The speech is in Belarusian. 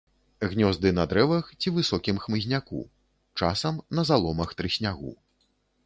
Гнёзды на дрэвах ці высокім хмызняку, часам на заломах трыснягу.